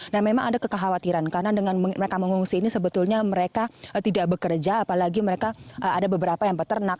dan memang ada kekhawatiran karena dengan mereka mengungsi ini sebetulnya mereka tidak bekerja apalagi mereka ada beberapa yang peternak